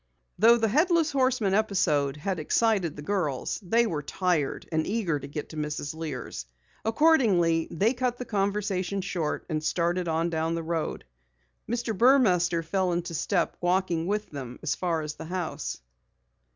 Though the Headless Horseman episode had excited the girls, they were tired and eager to get to Mrs. Lear's. Accordingly, they cut the conversation short and started on down the road. Mr. Burmaster fell into step walking with them as far as the house.